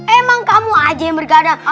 emang kamu aja yang bergadang